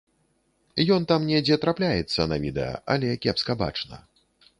Ён там недзе трапляецца на відэа, але кепска бачна.